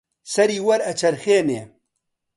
سەری وەرئەچەرخێنێ